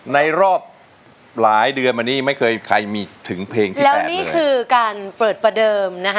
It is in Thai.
ในรอบหลายเดือนมานี้ไม่เคยใครมีถึงเพลงที่แล้วนี่คือการเปิดประเดิมนะคะ